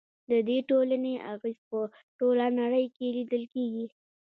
د دې ټولنې اغیز په ټوله نړۍ کې لیدل کیږي.